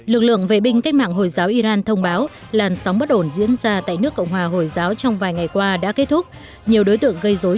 lực lượng về biểu tình của iran đang phải xem xét những nguyên nhân dẫn đến làn sóng biểu tình này trong đó không loại trừ khả năng can thiệp từ các thế lực bên ngoài